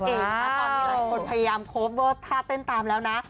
ตอนนี้หลายคนพยายามโคฟเวอร์ท่าเต้นตามแล้วนะ